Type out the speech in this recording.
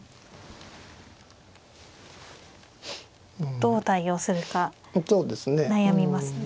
どう対応するか悩みますね。